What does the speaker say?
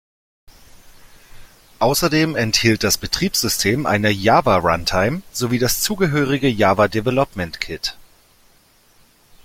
Außerdem enthielt das Betriebssystem eine Java-Runtime sowie das zugehörige Java Development Kit.